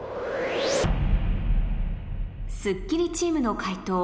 『スッキリ』チームの解答